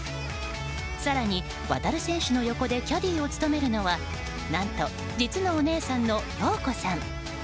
更に、航選手の横でキャディーを務めるのは何と、実のお姉さんの葉子さん。